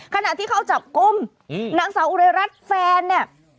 ขณะที่เข้าจับกลุ่มนางสาวอุไรรัฐแฟนเนี่ย